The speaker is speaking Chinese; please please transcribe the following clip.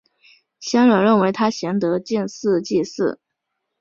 乡人认为他贤德建祠祭祀。